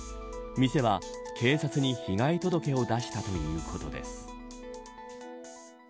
店は警察に被害届を出したということです。